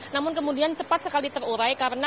namun kemudian cepat sekali terurai karena